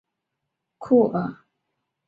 布吕尼沃当库尔。